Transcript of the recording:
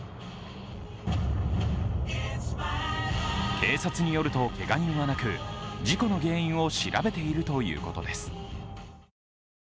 警察によるとけが人はなく事故の原因を調べているということです。